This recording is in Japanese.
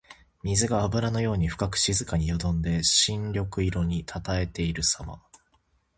水があぶらのように深く静かによどんで深緑色にたたえているさま。